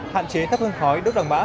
hạn chế thấp hương khói đốt đằng bã